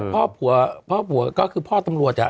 แต่พ่อผัวก็คือพ่อตำรวจ